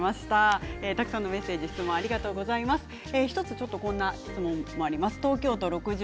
たくさんのメッセージ、質問ありがとうございます。